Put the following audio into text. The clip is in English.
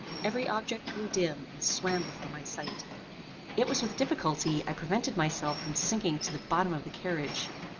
Every object grew dim and swam before my sight. It was with difficulty I prevented myself from sinking to the bottom of the carriage.